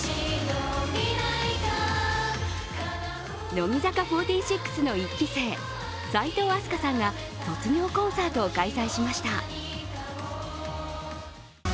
乃木坂４６の１期生齋藤飛鳥さんが卒業コンサートを開催しました。